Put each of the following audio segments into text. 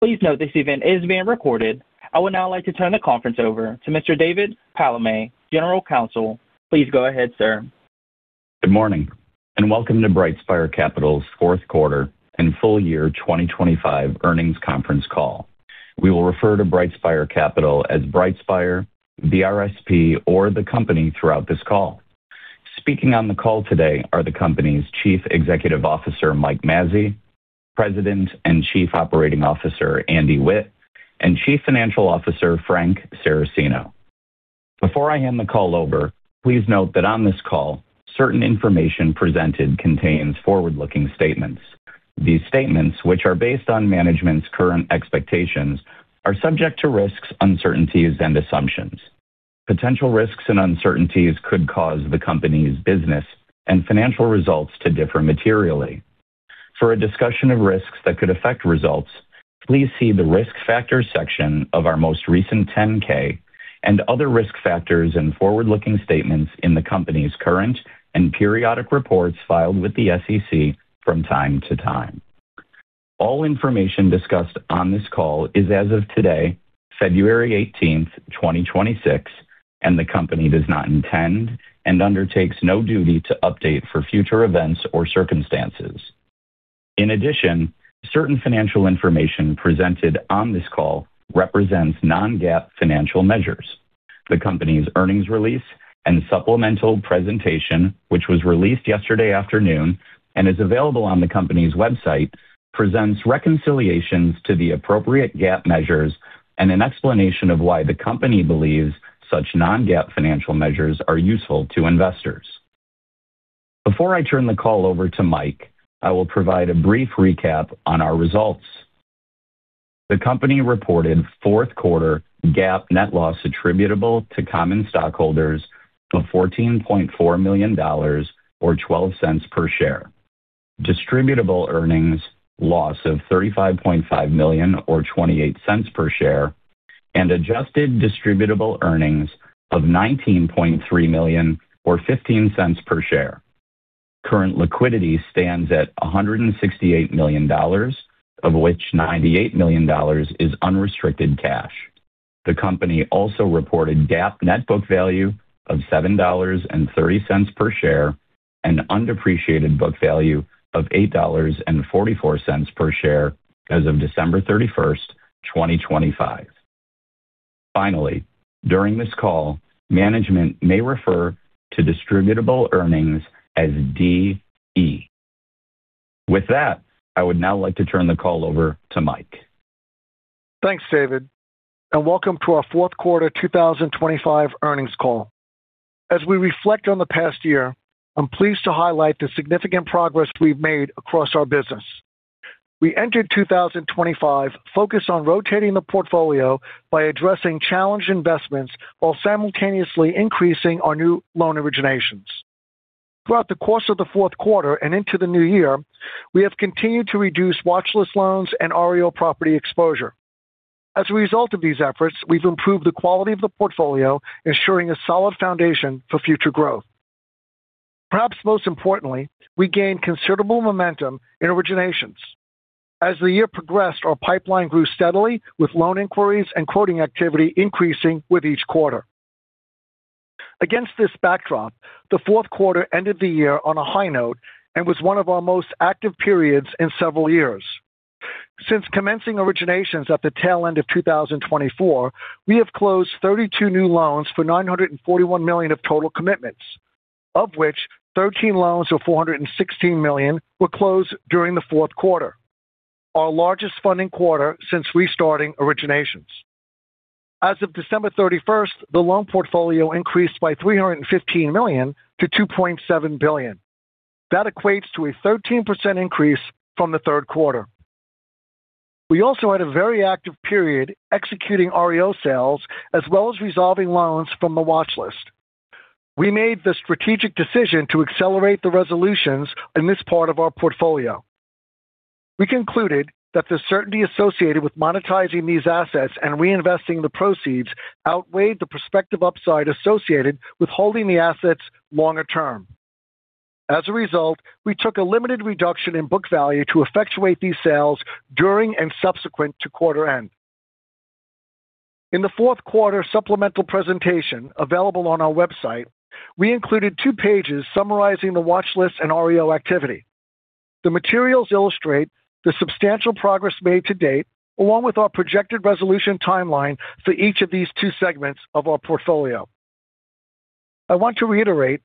Please note this event is being recorded. I would now like to turn the conference over to Mr. David Palamé, General Counsel. Please go ahead, sir. Good morning, and welcome to BrightSpire Capital's Fourth Quarter and Full Year 2025 Earnings Conference Call. We will refer to BrightSpire Capital as BrightSpire, BRSP, or the company throughout this call. Speaking on the call today are the company's Chief Executive Officer, Mike Mazzei, President and Chief Operating Officer, Andy Witt, and Chief Financial Officer, Frank Saracino. Before I hand the call over, please note that on this call, certain information presented contains forward-looking statements. These statements, which are based on management's current expectations, are subject to risks, uncertainties, and assumptions. Potential risks and uncertainties could cause the company's business and financial results to differ materially. For a discussion of risks that could affect results, please see the Risk Factors section of our most recent 10-K and other risk factors and forward-looking statements in the company's current and periodic reports filed with the SEC from time to time. All information discussed on this call is as of today, 18 February 2026, and the company does not intend and undertakes no duty to update for future events or circumstances. In addition, certain financial information presented on this call represents non-GAAP financial measures. The company's earnings release and supplemental presentation, which was released yesterday afternoon and is available on the company's website, presents reconciliations to the appropriate GAAP measures and an explanation of why the company believes such non-GAAP financial measures are useful to investors. Before I turn the call over to Mike, I will provide a brief recap on our results. The company reported fourth quarter GAAP net loss attributable to common stockholders of $14.4 million, or $0.12 per share. Distributable earnings loss of $35.5 million or $0.28 per share, and adjusted distributable earnings of $19.3 million or $0.15 per share. Current liquidity stands at $168 million, of which $98 million is unrestricted cash. The company also reported GAAP net book value of $7.30 per share, and undepreciated book value of $8.44 per share as of 31 December 2025. Finally, during this call, management may refer to distributable earnings as DE. With that, I would now like to turn the call over to Mike. Thanks, David, and welcome to our Fourth Quarter 2025 Earnings Call. As we reflect on the past year, I'm pleased to highlight the significant progress we've made across our business. We entered 2025 focused on rotating the portfolio by addressing challenged investments while simultaneously increasing our new loan originations. Throughout the course of the fourth quarter and into the new year, we have continued to reduce watchlist loans and REO property exposure. As a result of these efforts, we've improved the quality of the portfolio, ensuring a solid foundation for future growth. Perhaps most importantly, we gained considerable momentum in originations. As the year progressed, our pipeline grew steadily, with loan inquiries and quoting activity increasing with each quarter. Against this backdrop, the fourth quarter ended the year on a high note and was one of our most active periods in several years. Since commencing originations at the tail end of 2024, we have closed 32 new loans for $941 million of total commitments, of which 13 loans of $416 million were closed during the fourth quarter, our largest funding quarter since restarting originations. As of 31 December, the loan portfolio increased by $315 million to $2.7 billion. That equates to a 13% increase from the third quarter. We also had a very active period executing REO sales, as well as resolving loans from the watchlist. We made the strategic decision to accelerate the resolutions in this part of our portfolio. We concluded that the certainty associated with monetizing these assets and reinvesting the proceeds outweighed the prospective upside associated with holding the assets longer term. As a result, we took a limited reduction in book value to effectuate these sales during and subsequent to quarter end. In the fourth quarter supplemental presentation available on our website, we included two pages summarizing the watchlist and REO activity. The materials illustrate the substantial progress made to date, along with our projected resolution timeline for each of these two segments of our portfolio. I want to reiterate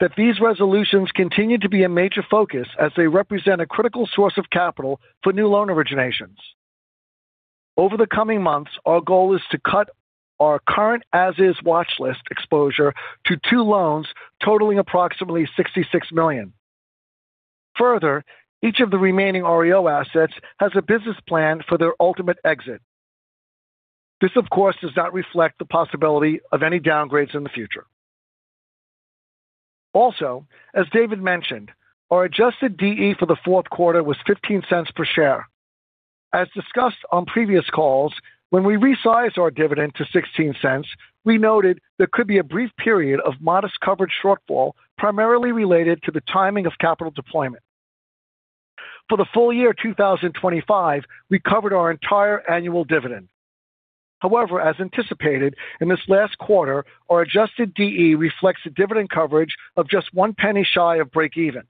that these resolutions continue to be a major focus as they represent a critical source of capital for new loan originations. Over the coming months, our goal is to cut our current as-is watchlist exposure to two loans totaling approximately $66 million. Further, each of the remaining REO assets has a business plan for their ultimate exit. This, of course, does not reflect the possibility of any downgrades in the future. Also, as David mentioned, our adjusted DE for the fourth quarter was $0.15 per share. As discussed on previous calls, when we resized our dividend to $0.16, we noted there could be a brief period of modest coverage shortfall, primarily related to the timing of capital deployment. For the full year 2025, we covered our entire annual dividend. However, as anticipated, in this last quarter, our adjusted DE reflects a dividend coverage of just $0.01 shy of breakeven.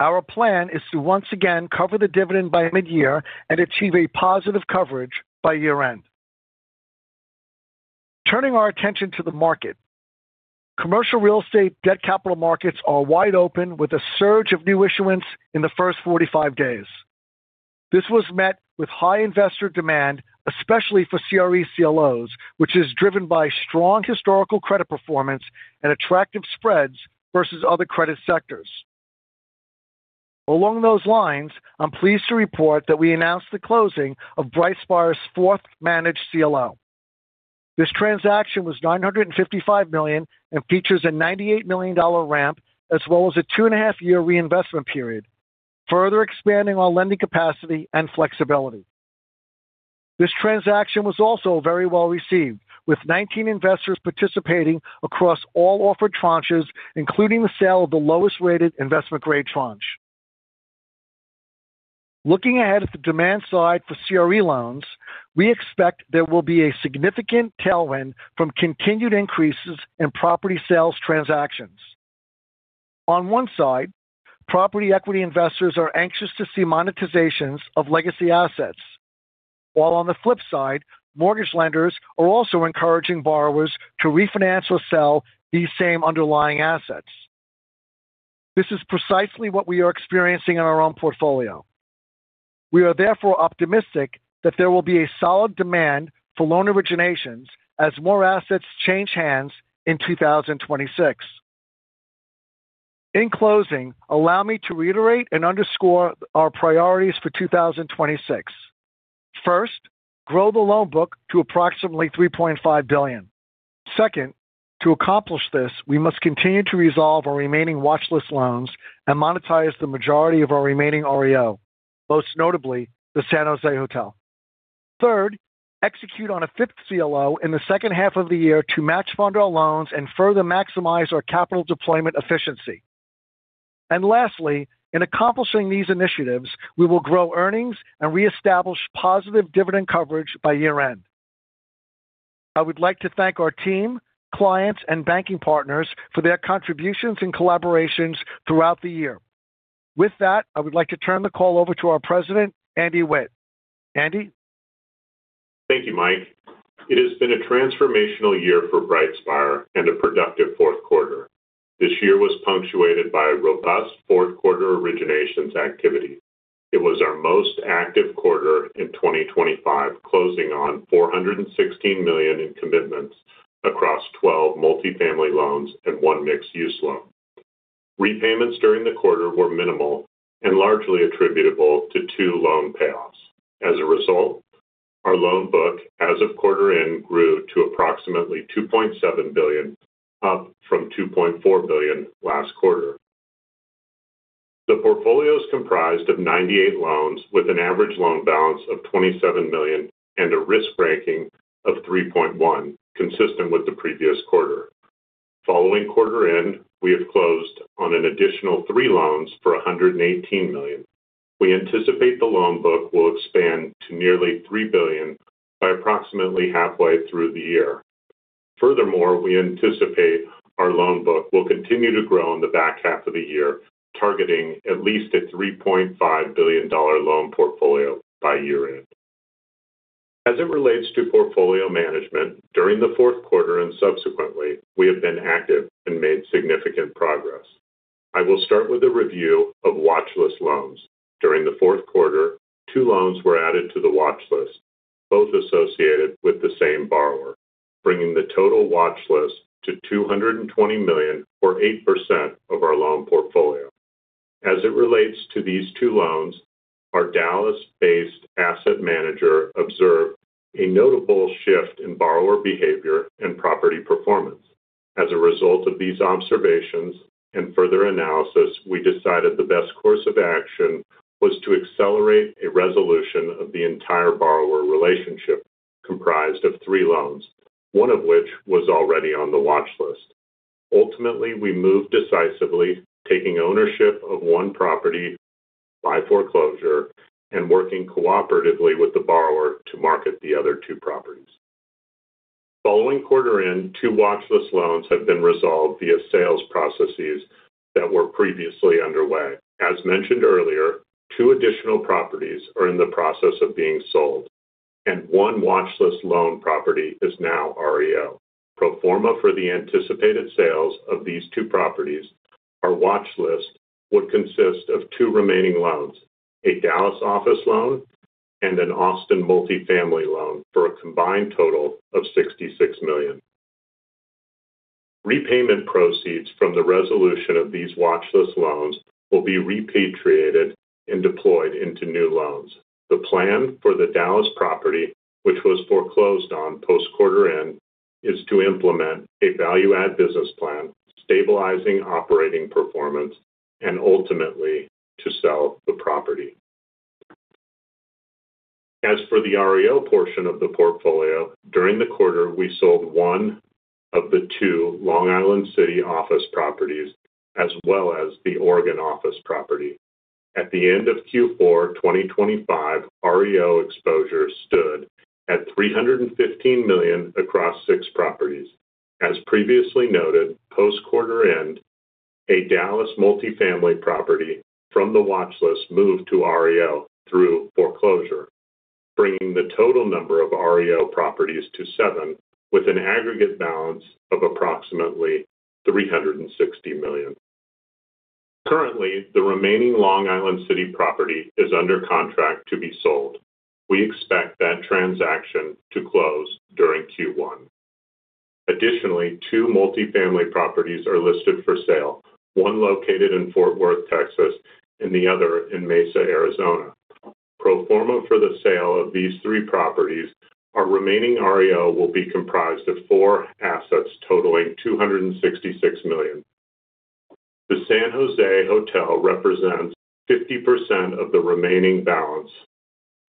Our plan is to once again cover the dividend by mid-year and achieve a positive coverage by year-end. Turning our attention to the market, commercial real estate debt capital markets are wide open, with a surge of new issuance in the first 45 days. This was met with high investor demand, especially for CRE CLOs, which is driven by strong historical credit performance and attractive spreads versus other credit sectors. Along those lines, I'm pleased to report that we announced the closing of BrightSpire's fourth managed CLO. This transaction was $955 million and features a $98 million ramp as well as a 2.5-year reinvestment period, further expanding our lending capacity and flexibility. This transaction was also very well-received, with 19 investors participating across all offered tranches, including the sale of the lowest-rated investment-grade tranche. Looking ahead at the demand side for CRE loans, we expect there will be a significant tailwind from continued increases in property sales transactions. On one side, property equity investors are anxious to see monetizations of legacy assets. While on the flip side, mortgage lenders are also encouraging borrowers to refinance or sell these same underlying assets. This is precisely what we are experiencing in our own portfolio. We are therefore optimistic that there will be a solid demand for loan originations as more assets change hands in 2026. In closing, allow me to reiterate and underscore our priorities for 2026. First, grow the loan book to approximately $3.5 billion. Second, to accomplish this, we must continue to resolve our remaining watchlist loans and monetize the majority of our remaining REO, most notably the San Jose Hotel. Third, execute on a fifth CLO in the second half of the year to match fund our loans and further maximize our capital deployment efficiency. And lastly, in accomplishing these initiatives, we will grow earnings and reestablish positive dividend coverage by year-end. I would like to thank our team, clients, and banking partners for their contributions and collaborations throughout the year. With that, I would like to turn the call over to our President, Andy Witt. Andy? Thank you, Mike. It has been a transformational year for BrightSpire and a productive fourth quarter. This year was punctuated by a robust fourth quarter originations activity. It was our most active quarter in 2025, closing on $416 million in commitments across 12 multifamily loans and one mixed-use loan. Repayments during the quarter were minimal and largely attributable to two loan payoffs. As a result, our loan book as of quarter end grew to approximately $2.7 billion, up from $2.4 billion last quarter. The portfolio is comprised of 98 loans, with an average loan balance of $27 million and a risk ranking of 3.1, consistent with the previous quarter. Following quarter end, we have closed on an additional three loans for $118 million. We anticipate the loan book will expand to nearly $3 billion by approximately halfway through the year. Furthermore, we anticipate our loan book will continue to grow in the back half of the year, targeting at least a $3.5 billion loan portfolio by year-end. As it relates to portfolio management, during the fourth quarter and subsequently, we have been active and made significant progress. I will start with a review of watchlist loans. During the fourth quarter, two loans were added to the watchlist, both associated with the same borrower, bringing the total watchlist to $220 million, or 8% of our loan portfolio. As it relates to these two loans, our Dallas-based asset manager observed a notable shift in borrower behavior and property performance. As a result of these observations and further analysis, we decided the best course of action was to accelerate a resolution of the entire borrower relationship, comprised of three loans, one of which was already on the watchlist. Ultimately, we moved decisively, taking ownership of one property by foreclosure and working cooperatively with the borrower to market the other two properties. Following quarter end, two watchlist loans have been resolved via sales processes that were previously underway. As mentioned earlier, two additional properties are in the process of being sold, and one watchlist loan property is now REO. Pro forma for the anticipated sales of these two properties, our watchlist would consist of two remaining loans, a Dallas office loan and an Austin multifamily loan, for a combined total of $66 million. Repayment proceeds from the resolution of these watchlist loans will be repatriated and deployed into new loans. The plan for the Dallas, Texas property, which was foreclosed on post-quarter end, is to implement a value-add business plan, stabilizing operating performance, and ultimately to sell the property. As for the REO portion of the portfolio, during the quarter, we sold one of the two Long Island City, New York office properties, as well as the Oregon office property. At the end of Q4 2025, REO exposure stood at $315 million across six properties. As previously noted, post-quarter end, a Dallas, Texas multifamily property from the watchlist moved to REO through foreclosure, bringing the total number of REO properties to seven, with an aggregate balance of approximately $360 million. Currently, the remaining Long Island City, New York property is under contract to be sold. We expect that transaction to close during Q1. Additionally, two multifamily properties are listed for sale, one located in Fort Worth, Texas, and the other in Mesa, Arizona. Pro forma for the sale of these three properties, our remaining REO will be comprised of four assets totaling $266 million. The San Jose Hotel represents 50% of the remaining balance,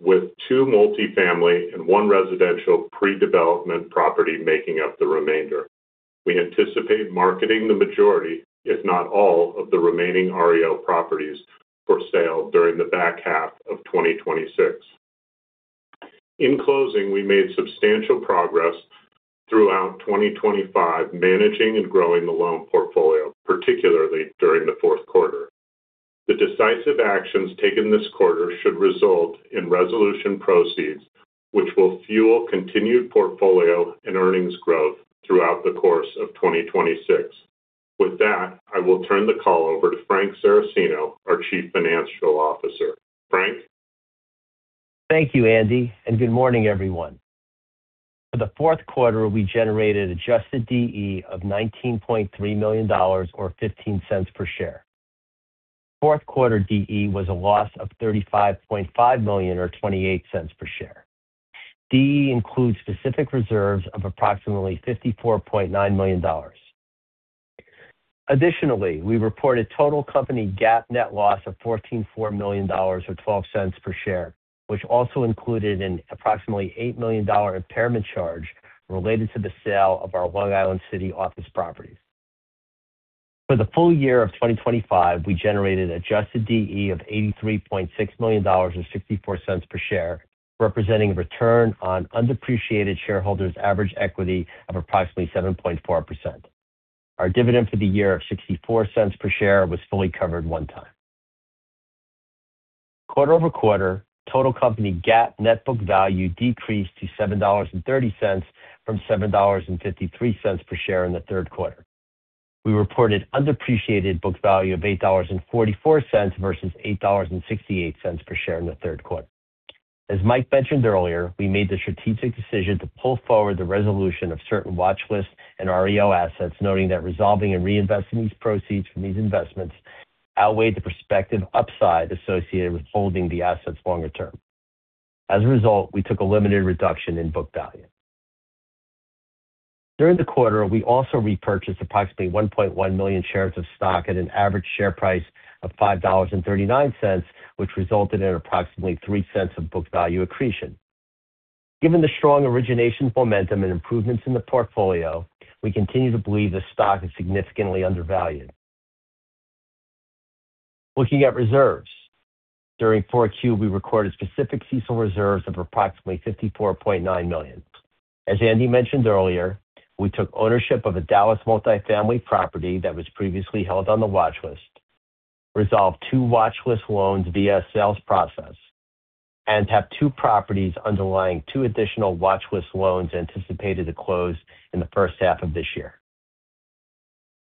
with two multifamily and one residential pre-development property making up the remainder. We anticipate marketing the majority, if not all, of the remaining REO properties for sale during the back half of 2026. In closing, we made substantial progress throughout 2025, managing and growing the loan portfolio, particularly during the fourth quarter. The decisive actions taken this quarter should result in resolution proceeds, which will fuel continued portfolio and earnings growth throughout the course of 2026. With that, I will turn the call over to Frank Saracino, our Chief Financial Officer. Frank? Thank you, Andy, and good morning, everyone. For the fourth quarter, we generated adjusted DE of $19.3 million or $0.15 per share. Fourth quarter DE was a loss of $35.5 million or $0.28 per share. DE includes specific reserves of approximately $54.9 million. Additionally, we reported total company GAAP net loss of $14.4 million or $0.12 per share, which also included an approximately $8 million impairment charge related to the sale of our Long Island City office properties. For the full year of 2025, we generated adjusted DE of $83.6 million or $0.64 per share, representing a return on undepreciated shareholders average equity of approximately 7.4%. Our dividend for the year of $0.64 per share was fully covered one time. Quarter-over-quarter, total company GAAP net book value decreased to $7.30 from $7.53 per share in the third quarter. We reported undepreciated book value of $8.44 versus $8.68 per share in the third quarter. As Mike mentioned earlier, we made the strategic decision to pull forward the resolution of certain watchlist and REO assets, noting that resolving and reinvesting these proceeds from these investments outweighed the prospective upside associated with holding the assets longer term. As a result, we took a limited reduction in book value. During the quarter, we also repurchased approximately 1.1 million shares of stock at an average share price of $5.39, which resulted in approximately $0.03 of book value accretion. Given the strong origination momentum and improvements in the portfolio, we continue to believe the stock is significantly undervalued. Looking at reserves. During Q4, we recorded specific CECL reserves of approximately $54.9 million. As Andy mentioned earlier, we took ownership of a Dallas multifamily property that was previously held on the watchlist, resolved two watchlist loans via a sales process, and have two properties underlying two additional watchlist loans anticipated to close in the first half of this year.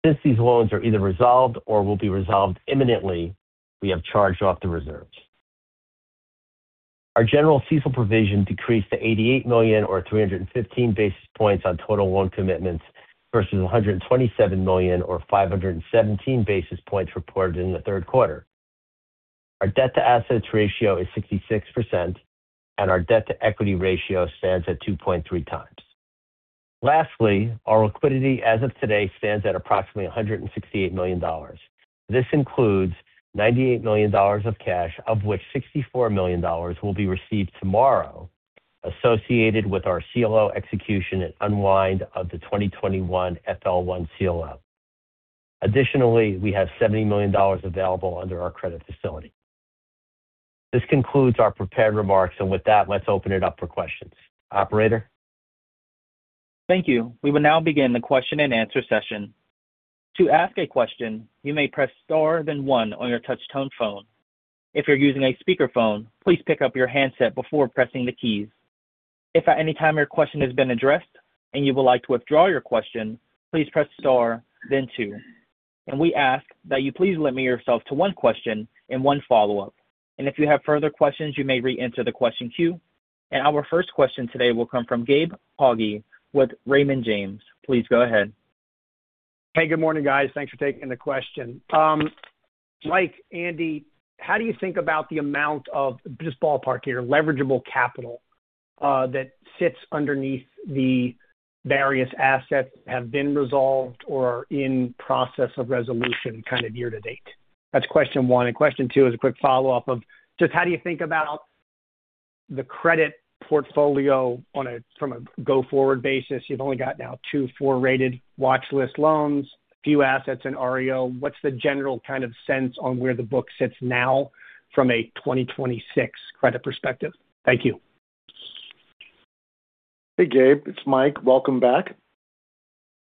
Since these loans are either resolved or will be resolved imminently, we have charged off the reserves. Our general CECL provision decreased to $88 million or 315 basis points on total loan commitments versus $127 million or 517 basis points reported in the third quarter. Our debt-to-assets ratio is 66%, and our debt-to-equity ratio stands at 2.3 times. Lastly, our liquidity as of today stands at approximately $168 million. This includes $98 million of cash, of which $64 million will be received tomorrow, associated with our CLO execution and unwind of the 2021 FL1 CLO. Additionally, we have $70 million available under our credit facility. This concludes our prepared remarks, and with that, let's open it up for questions. Operator? Thank you. We will now begin the question-and-answer session. To ask a question, you may press star, then one on your touch-tone phone. If you're using a speakerphone, please pick up your handset before pressing the keys. If at any time your question has been addressed and you would like to withdraw your question, please press star, then two. We ask that you please limit yourself to one question and one follow-up, and if you have further questions, you may re-enter the question queue. Our first question today will come from Gabe Poggi with Raymond James. Please go ahead. Hey, good morning, guys. Thanks for taking the question. Mike, Andy, how do you think about the amount of, just ballpark here, leverageable capital? That sits underneath the various assets have been resolved or are in process of resolution kind of year to date? That's question one. And question two is a quick follow-up of just how do you think about the credit portfolio from a go-forward basis? You've only got now two to four rated watchlist loans, a few assets in REO. What's the general kind of sense on where the book sits now from a 2026 credit perspective? Thank you. Hey, Gabe, it's Mike. Welcome back.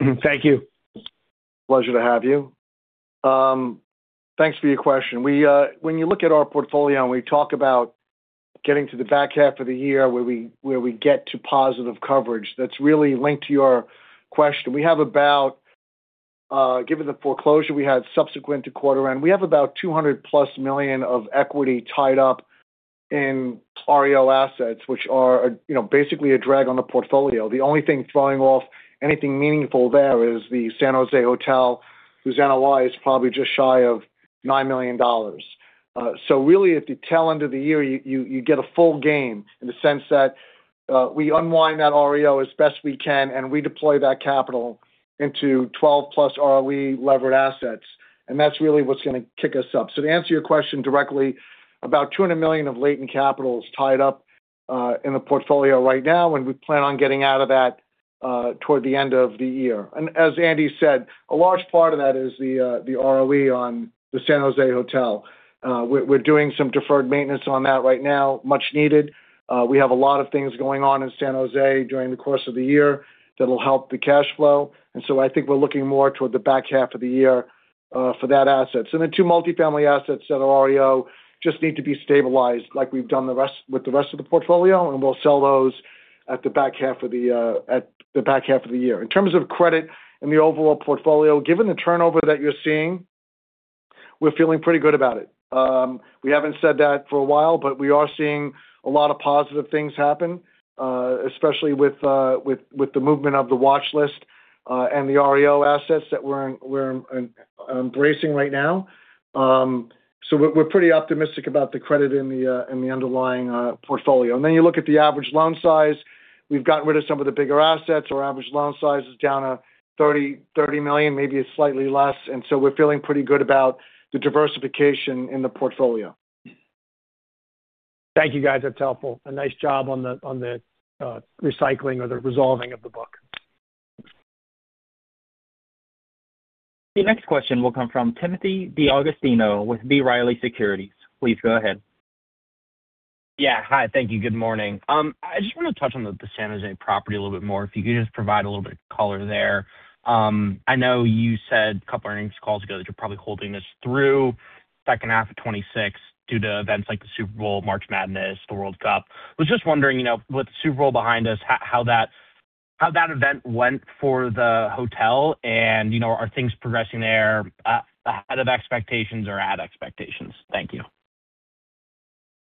Thank you. Pleasure to have you. Thanks for your question. We, when you look at our portfolio, and we talk about getting to the back half of the year, where we get to positive coverage, that's really linked to your question. We have about, given the foreclosure we had subsequent to quarter end, we have about 200+ million of equity tied up in REO assets, which are, you know, basically a drag on the portfolio. The only thing throwing off anything meaningful there is the San Jose Hotel, whose NOI is probably just shy of $9 million. So really, at the tail end of the year, you get a full game in the sense that, we unwind that REO as best we can, and we deploy that capital into 12+ ROE levered assets, and that's really what's going to kick us up. So to answer your question directly, about $200 million of latent capital is tied up, in the portfolio right now, and we plan on getting out of that, toward the end of the year. And as Andy said, a large part of that is the, the ROE on the San Jose Hotel. We're doing some deferred maintenance on that right now, much needed. We have a lot of things going on in San Jose during the course of the year that will help the cash flow. And so I think we're looking more toward the back half of the year for that asset. So the two multifamily assets that are REO just need to be stabilized like we've done the rest with the rest of the portfolio, and we'll sell those at the back half of the year. In terms of credit and the overall portfolio, given the turnover that you're seeing, we're feeling pretty good about it. We haven't said that for a while, but we are seeing a lot of positive things happen, especially with the movement of the watchlist and the REO assets that we're embracing right now. So we're pretty optimistic about the credit in the underlying portfolio. And then you look at the average loan size. We've gotten rid of some of the bigger assets. Our average loan size is down to $30 million, maybe slightly less, and so we're feeling pretty good about the diversification in the portfolio. Thank you, guys. That's helpful. A nice job on the recycling or the resolving of the book. The next question will come from Timothy D'Agostino with B. Riley Securities. Please go ahead. Yeah. Hi, thank you. Good morning. I just want to touch on the San Jose property a little bit more, if you could just provide a little bit of color there. I know you said a couple of earnings calls ago that you're probably holding this through second half of 2026 due to events like the Super Bowl, March Madness, the World Cup. I was just wondering, you know, with the Super Bowl behind us, how that event went for the hotel and, you know, are things progressing there ahead of expectations or at expectations? Thank you.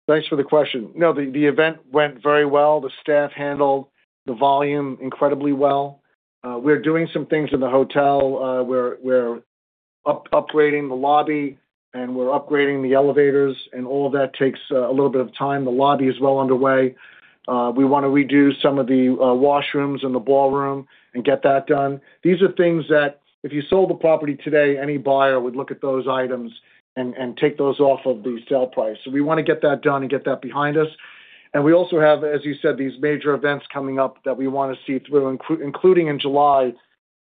Thanks for the question. No, the event went very well. The staff handled the volume incredibly well. We're doing some things in the hotel. We're upgrading the lobby, and we're upgrading the elevators, and all of that takes a little bit of time. The lobby is well underway. We want to redo some of the washrooms and the ballroom and get that done. These are things that if you sold the property today, any buyer would look at those items and take those off of the sale price. So we want to get that done and get that behind us. And we also have, as you said, these major events coming up that we want to see through, including in July,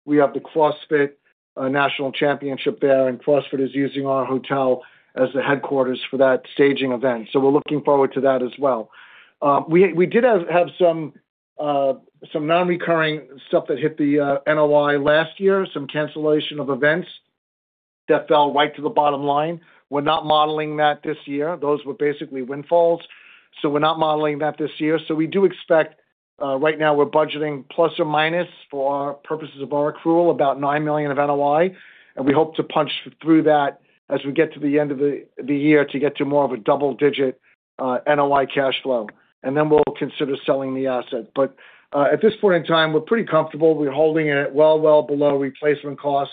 we have the CrossFit National Championship there, and CrossFit is using our hotel as the headquarters for that staging event. So we're looking forward to that as well. We did have some non-recurring stuff that hit the NOI last year, some cancellation of events that fell right to the bottom line. We're not modeling that this year. Those were basically windfalls, so we're not modeling that this year. So we do expect, right now we're budgeting plus or minus for purposes of our accrual, about $9 million of NOI, and we hope to punch through that as we get to the end of the year to get to more of a double-digit NOI cash flow. And then we'll consider selling the asset. But at this point in time, we're pretty comfortable. We're holding it well below replacement cost.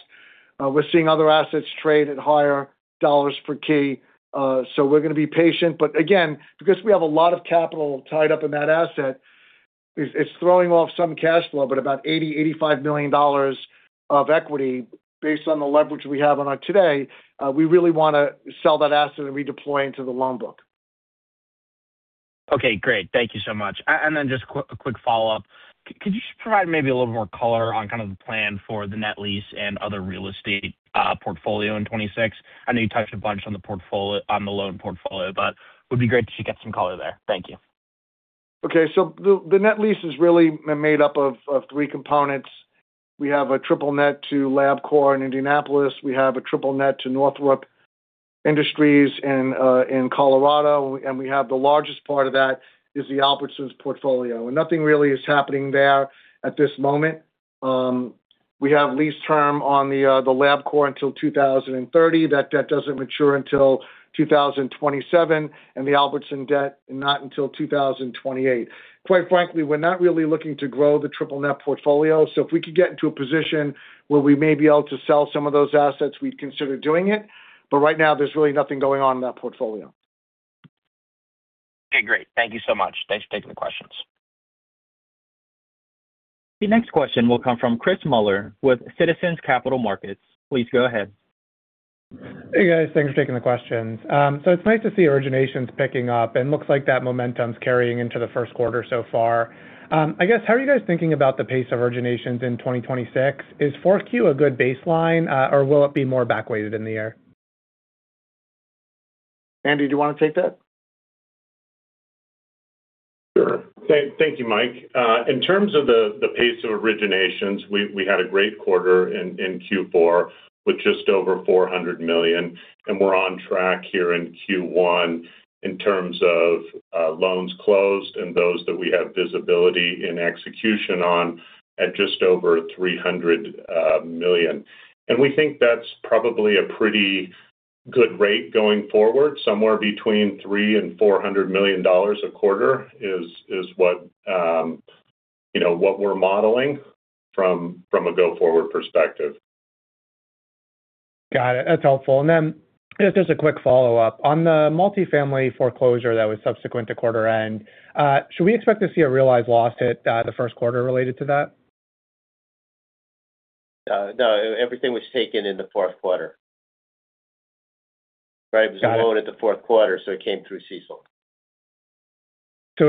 We're seeing other assets trade at higher dollars per key, so we're going to be patient. But again, because we have a lot of capital tied up in that asset, it's throwing off some cash flow, but about $85 million of equity based on the leverage we have on our today. We really want to sell that asset and redeploy into the loan book. Okay, great. Thank you so much. And then just a quick follow-up. Could you just provide maybe a little more color on kind of the plan for the net lease and other real estate portfolio in 2026? I know you touched a bunch on the portfolio, on the loan portfolio, but it would be great to get some color there. Thank you. Okay, so the net lease is really made up of three components. We have a triple net to Labcorp in Indianapolis. We have a triple net to Northrop Grumman in Colorado, and we have the largest part of that is the Albertsons portfolio. Nothing really is happening there at this moment. We have lease term on the Labcorp until 2030. That debt doesn't mature until 2027, and the Albertsons debt, not until 2028. Quite frankly, we're not really looking to grow the triple net portfolio. So if we could get into a position where we may be able to sell some of those assets, we'd consider doing it. But right now, there's really nothing going on in that portfolio. Okay, great. Thank you so much. Thanks for taking the questions. The next question will come from Chris Muller with Citizens Capital Markets. Please go ahead. Hey, guys. Thanks for taking the questions. It's nice to see originations picking up, and looks like that momentum is carrying into the first quarter so far. I guess, how are you guys thinking about the pace of originations in 2026? Is fourth Q a good baseline, or will it be more back weighted in the year? Andy, do you want to take that? Sure. Thank, thank you, Mike. In terms of the, the pace of originations, we, we had a great quarter in, in Q4 with just over $400 million, and we're on track here in Q1 in terms of loans closed and those that we have visibility and execution on at just over $300 million. And we think that's probably a pretty good rate going forward. Somewhere between $300 million and $400 million a quarter is what you know what we're modeling from a go-forward perspective. Got it. That's helpful. And then just a quick follow-up. On the multifamily foreclosure that was subsequent to quarter end, should we expect to see a realized loss hit the first quarter related to that? No. Everything was taken in the fourth quarter. Right? Got it. It was loaned in the fourth quarter, so it came through CECL.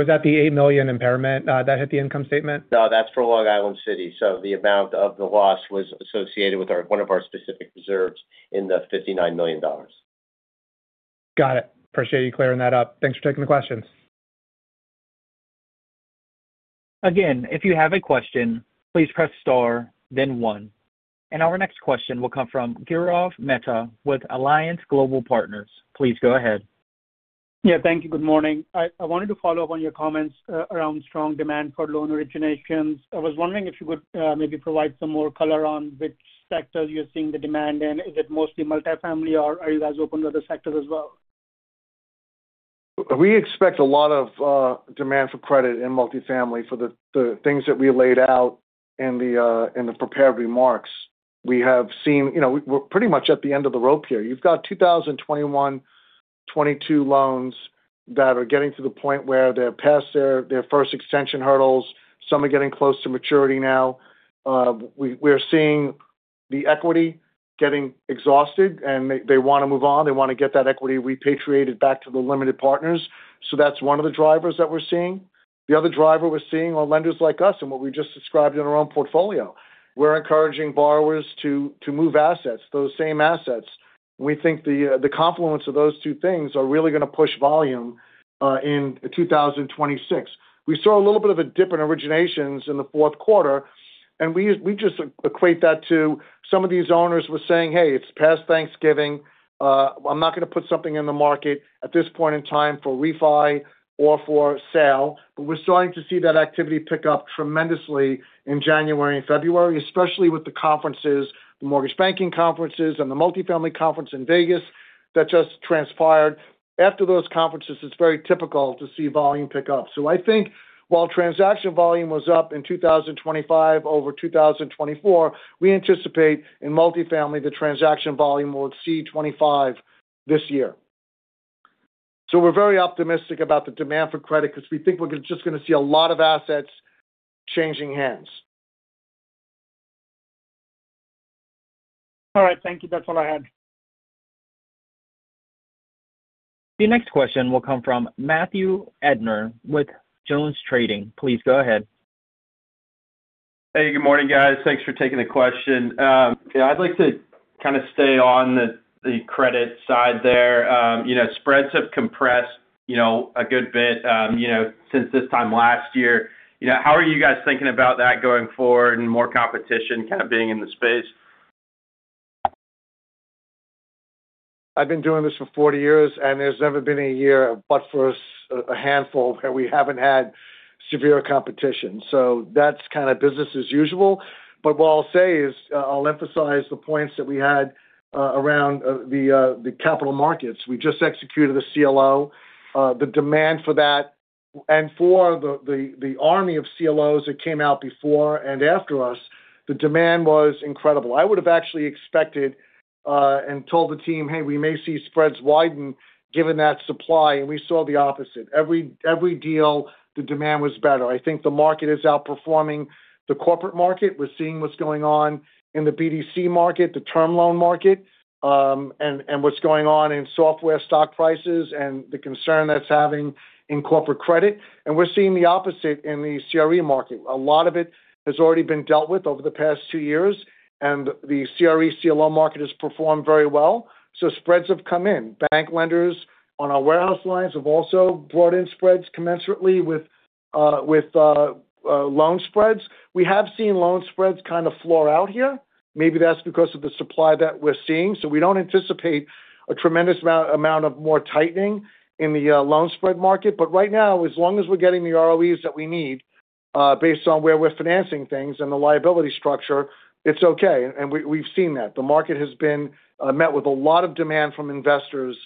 Is that the $8 million impairment that hit the income statement? No, that's for Long Island City. So the amount of the loss was associated with our, one of our specific reserves in the $59 million. Got it. Appreciate you clearing that up. Thanks for taking the questions. Again, if you have a question, please press star, then one. And our next question will come from Gaurav Mehta with Alliance Global Partners. Please go ahead. Yeah, thank you. Good morning. I wanted to follow up on your comments around strong demand for loan originations. I was wondering if you could maybe provide some more color on which sectors you're seeing the demand in. Is it mostly multifamily, or are you guys open to other sectors as well? We expect a lot of demand for credit in multifamily for the things that we laid out in the prepared remarks. We have seen... You know, we're pretty much at the end of the rope here. You've got 2021, 2022 loans that are getting to the point where they're past their first extension hurdles. Some are getting close to maturity now. We're seeing the equity getting exhausted, and they want to move on. They want to get that equity repatriated back to the limited partners. So that's one of the drivers that we're seeing. The other driver we're seeing are lenders like us and what we just described in our own portfolio. We're encouraging borrowers to move assets, those same assets. We think the confluence of those two things are really going to push volume in 2026. We saw a little bit of a dip in originations in the fourth quarter, and we just equate that to some of these owners were saying, "Hey, it's past Thanksgiving. I'm not going to put something in the market at this point in time for refi or for sale." But we're starting to see that activity pick up tremendously in January and February, especially with the conferences The mortgage banking conferences and the multifamily conference in Vegas that just transpired. After those conferences, it's very typical to see volume pick up. So I think while transaction volume was up in 2025 over 2024, we anticipate in multifamily, the transaction volume will exceed 25 this year. We're very optimistic about the demand for credit because we think we're just going to see a lot of assets changing hands. All right, thank you. That's all I had. The next question will come from Matthew Erdner with JonesTrading. Please go ahead. Hey, good morning, guys. Thanks for taking the question. Yeah, I'd like to kind of stay on the, the credit side there. You know, spreads have compressed, you know, a good bit, you know, since this time last year. You know, how are you guys thinking about that going forward and more competition kind of being in the space? I've been doing this for 40 years, and there's never been a year, but for us, a handful, where we haven't had severe competition. So that's kind of business as usual. But what I'll say is, I'll emphasize the points that we had around the capital markets. We just executed a CLO. The demand for that and for the army of CLOs that came out before and after us, the demand was incredible. I would have actually expected and told the team: "Hey, we may see spreads widen given that supply," and we saw the opposite. Every deal, the demand was better. I think the market is outperforming the corporate market. We're seeing what's going on in the BDC market, the term loan market, and what's going on in software stock prices and the concern that's having in corporate credit. We're seeing the opposite in the CRE market. A lot of it has already been dealt with over the past two years, and the CRE CLO market has performed very well, so spreads have come in. Bank lenders on our warehouse lines have also brought in spreads commensurately with loan spreads. We have seen loan spreads kind of floor out here. Maybe that's because of the supply that we're seeing. We don't anticipate a tremendous amount of more tightening in the loan spread market. But right now, as long as we're getting the ROEs that we need, based on where we're financing things and the liability structure, it's okay, and we, we've seen that. The market has been met with a lot of demand from investors,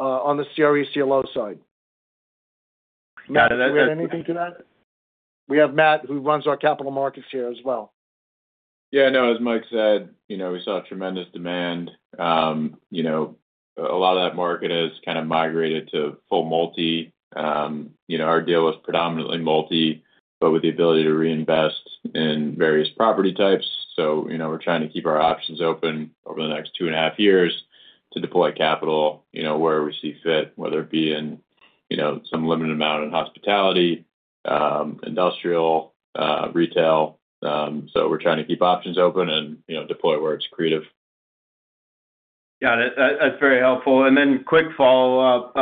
on the CRE CLO side. Matt, do you add anything to that? We have Matt, who runs our capital markets here as well. Yeah, I know, as Mike said, you know, we saw tremendous demand. You know, a lot of that market has kind of migrated to full multi. You know, our deal was predominantly multi, but with the ability to reinvest in various property types. So, you know, we're trying to keep our options open over the next two and a half years to deploy capital, you know, where we see fit, whether it be in, you know, some limited amount in hospitality, industrial, retail. So we're trying to keep options open and, you know, deploy where it's creative. Got it. That, that's very helpful. And then quick follow-up.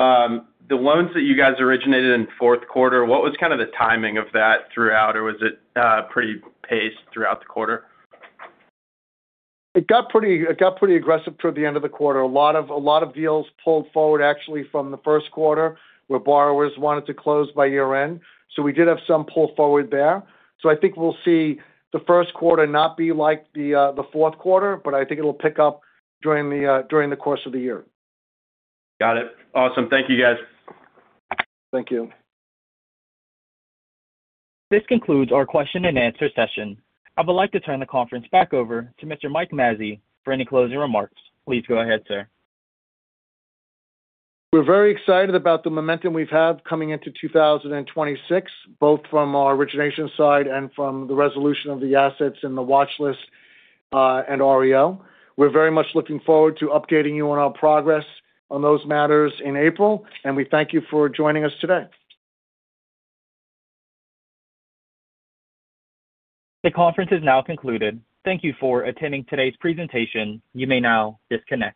The loans that you guys originated in the fourth quarter, what was kind of the timing of that throughout, or was it, pretty paced throughout the quarter? It got pretty aggressive toward the end of the quarter. A lot of, a lot of deals pulled forward actually from the first quarter, where borrowers wanted to close by year-end. So we did have some pull forward there. So I think we'll see the first quarter not be like the, the fourth quarter, but I think it'll pick up during the, during the course of the year. Got it. Awesome. Thank you, guys. Thank you. This concludes our question and answer session. I would like to turn the conference back over to Mr. Mike Mazzei for any closing remarks. Please go ahead, sir. We're very excited about the momentum we've had coming into 2026, both from our origination side and from the resolution of the assets in the watchlist, and REO. We're very much looking forward to updating you on our progress on those matters in April, and we thank you for joining us today. The conference is now concluded. Thank you for attending today's presentation. You may now disconnect.